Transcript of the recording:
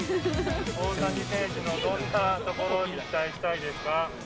大谷選手のどんなところに期待したいですか？